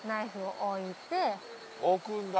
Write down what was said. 置くんだ。